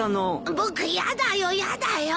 僕やだよやだよ。